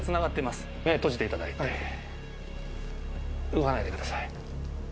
動かないでください。